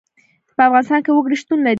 په افغانستان کې وګړي شتون لري.